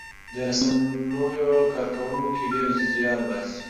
د رسنیو کارکوونکي ډېر زیار باسي.